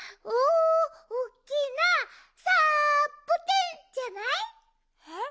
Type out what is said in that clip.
おおきなサボテンじゃない？えっ？